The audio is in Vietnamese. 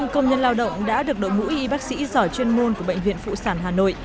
một trăm linh công nhân lao động đã được đội ngũ y bác sĩ giỏi chuyên môn của bệnh viện phụ sản hà nội